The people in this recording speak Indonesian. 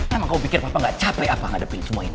emang kau pikir papa gak capek apa ngadepin semua ini